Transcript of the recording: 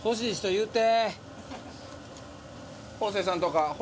言うて。